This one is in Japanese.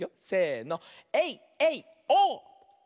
せの。